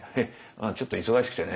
「ちょっと忙しくてね。